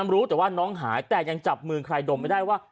รู้แต่ว่าน้องหายแต่ยังจับมือใครดมไม่ได้ว่า